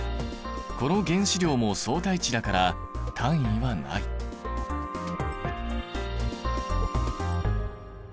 で原子量も相対値だから単位はないんだね。